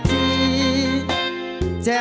ขอโชคดีครับ